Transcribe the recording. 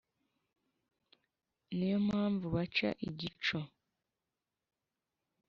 Ni yo mpamvu baca igico